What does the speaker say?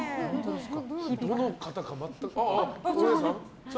どの方か、全く。